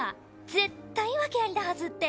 絶対訳ありだはずって。